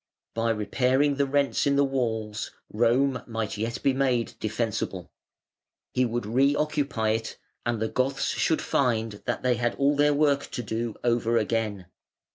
By repairing the rents in the walls, Rome might yet be made defensible. He would re occupy it, and the Goths should find that they had all their work to do over again.